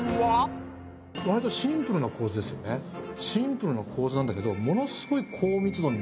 シンプルな構図なんだけどものすごい。